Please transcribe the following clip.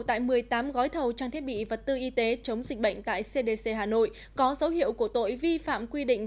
tại một mươi tám gói thầu trang thiết bị vật tư y tế chống dịch bệnh tại cdc hà nội có dấu hiệu của tội vi phạm quy định